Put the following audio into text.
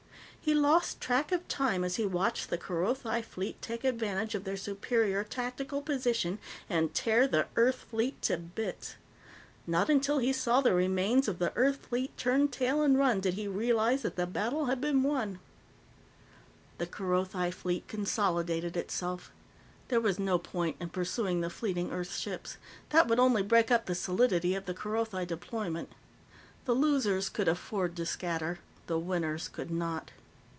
He lost track of time as he watched the Kerothi fleet take advantage of their superior tactical position and tear the Earth fleet to bits. Not until he saw the remains of the Earth fleet turn tail and run did he realize that the battle had been won. The Kerothi fleet consolidated itself. There was no point in pursuing the fleeting Earth ships; that would only break up the solidity of the Kerothi deployment. The losers could afford to scatter; the winners could not.